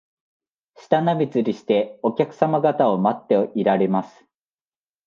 舌なめずりして、お客さま方を待っていられます